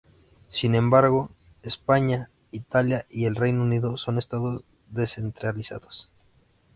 Sin embargo, España, Italia y el Reino Unido son Estados descentralizados.